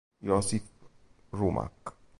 Josip Rumac